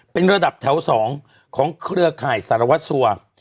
เป็นระดับแถว๒ของเครือข่ายสารวัตรสัว